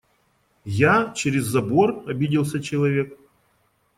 Я?.. Через забор?.. – обиделся человек.